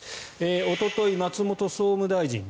おととい、松本総務大臣です。